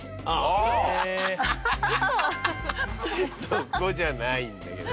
そこじゃないんだけど。